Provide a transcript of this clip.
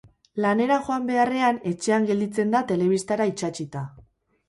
Lanera joan beharrean etxean gelditzen da telebistara itsatsita.